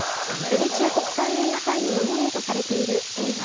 ベネチア国際映画祭にノミネートされている映画、ＬＯＶＥ